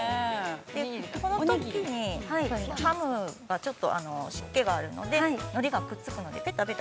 このときに、ハムがちょっと湿気があるのでのりがくっつくのでぺたぺた